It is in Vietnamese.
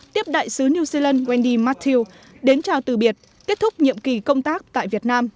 tiếp đại sứ new zealand wendy mathiu đến chào từ biệt kết thúc nhiệm kỳ công tác tại việt nam